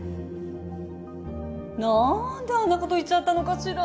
なんであんなこと言っちゃったのかしら？